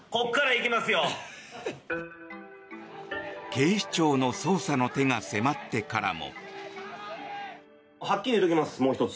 警視庁の捜査の手が迫ってからも。